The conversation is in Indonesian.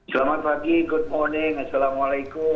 selamat pagi good morning assalamualaikum